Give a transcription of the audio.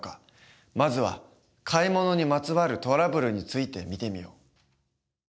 まずは買い物にまつわるトラブルについて見てみよう。